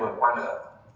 vừa qua nữa